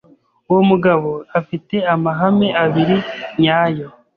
Uwo mugabo afite amahame abiri nyayo